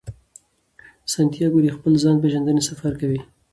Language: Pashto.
سانتیاګو د خپل ځان پیژندنې سفر کوي.